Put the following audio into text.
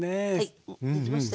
できましたよ。